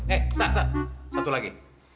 eh satu lagi